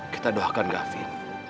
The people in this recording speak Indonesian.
kita doakan gafin